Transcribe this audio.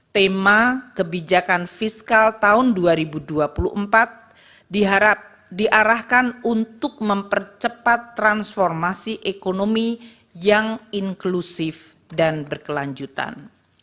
tema kebijakan fiskal tahun dua ribu dua puluh empat diarahkan untuk mempercepat transformasi ekonomi yang inklusif dan berkelanjutan